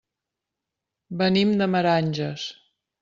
Venim de Meranges.